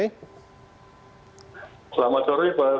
selamat sore pak